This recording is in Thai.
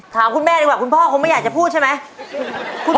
ถามคุณแม่ดีกว่าคุณพ่อคงไม่อยากจะพูดใช่ไหม